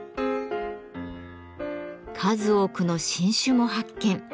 数多くの新種も発見。